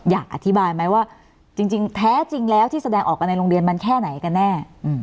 อยากอธิบายไหมว่าจริงแท้จริงแล้วที่แสดงออกกันในโรงเรียนมันแค่ไหนกันแน่